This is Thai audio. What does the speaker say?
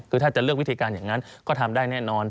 คือถ้าจะเลือกวิธีการอย่างนั้นก็ทำได้แน่นอน